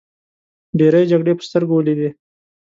ډیرې جګړې په سترګو ولیدې.